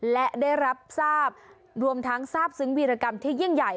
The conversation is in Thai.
และได้รับทราบรวมทั้งทราบซึ้งวีรกรรมที่ยิ่งใหญ่